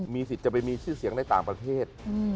มีสิทธิ์จะไปมีชื่อเสียงในต่างประเทศ